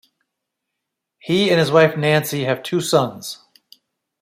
He and his wife Nancy have two sons.